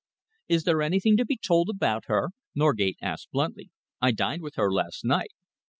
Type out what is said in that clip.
"Is there anything to be told about her?" Norgate asked bluntly. "I dined with her last night."